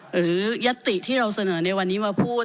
ยัตติที่เราเสนอในวันนี้มาพูด